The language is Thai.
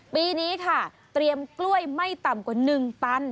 ปีนี้ค่ะเตรียมกล้วยไม่ต่ำกว่า๑ตัน